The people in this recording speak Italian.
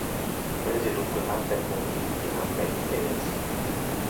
Prese dunque parte a conflitti a Metz e Nancy.